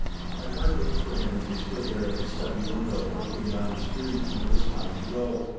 My heart ached for him as he stood there at his study window looking down the street when it was time to go.